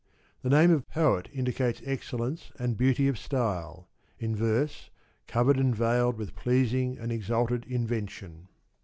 The name of poet indicates excellence and beauty of style, in verse, covered and veiled with pleasing and exalted invention.